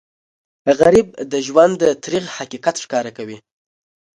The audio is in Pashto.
غریب د ژوند تریخ حقیقت ښکاره کوي